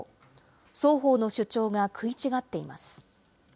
双方の主張が食い違っています。